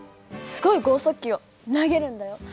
すごい剛速球を投げるんだよ。